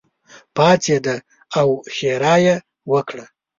پاڅېده او ښېرا یې وکړه.